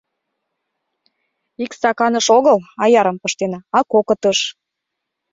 — Ик стаканыш огыл аярым пыштена, а кокытыш.